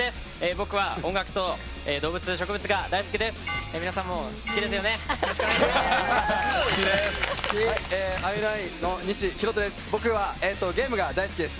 僕は音楽と動物と植物が大好きです。